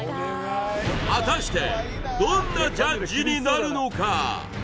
果たしてどんなジャッジになるのか